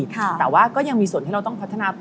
แต่ว่าก็ยังมีส่วนที่เราต้องพัฒนาต่อ